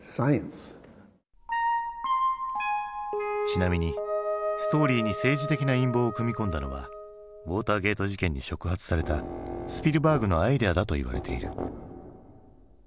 ちなみにストーリーに政治的な陰謀を組み込んだのはウォーターゲート事件に触発されたスピルバーグのアイデアだといわれている。